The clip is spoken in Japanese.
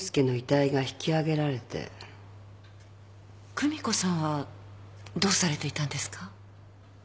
久美子さんはどうされていたんですか？